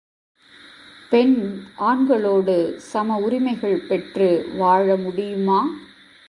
பெண் ஆண்களோடு சம உரிமைகள் பெற்று வாழ முடியுமா?